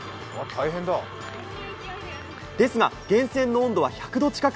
ですが、源泉の温度は１００度近く。